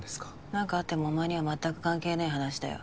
なんかあってもお前にはまったく関係ねぇ話だよ。